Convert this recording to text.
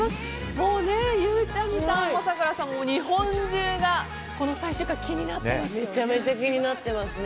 もう、ゆうちゃみさんも咲楽さんも日本中がこの最終回気になってますよね。